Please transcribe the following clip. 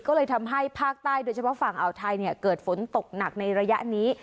ก็เลยทำให้ภาคใต้โดยเฉพาะฝั่งอ่าวไทยเกิดฝนตกหนักในระยะนี้